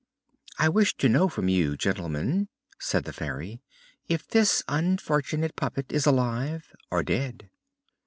"I wish to know from you, gentlemen," said the Fairy, "if this unfortunate puppet is alive or dead!"